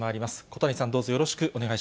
小谷さん、どうぞよろしくお願い